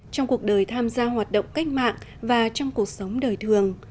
trong cuộc đời tham gia hoạt động cách mạng và trong cuộc sống đời thường